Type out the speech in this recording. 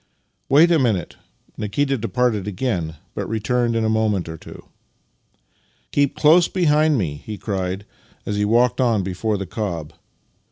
"" Wait a minute." Nikita departed again, but returned in a moment or two. " Keep close behind me," he cried as he walked on before the cob.